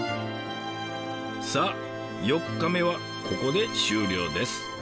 さあ４日目はここで終了です。